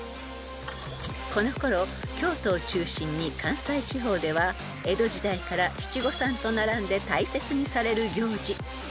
［このころ京都を中心に関西地方では江戸時代から七五三と並んで大切にされる行事］